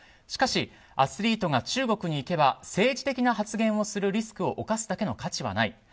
しかしアスリートが中国に行けば政治的な発言をするリスクを冒すだけの価値はない。